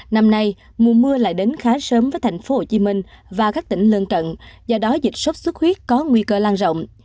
năm nay mùa mưa lại đến khá sớm với tp hcm và các tỉnh lân cận do đó dịch sốt xuất huyết có nguy cơ lan rộng